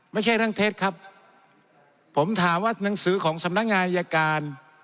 ไม่ใช่เรื่องเท็จครับผมถามว่าหนังสือของสำนักงานอายการ